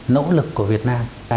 nỗ lực của việt nam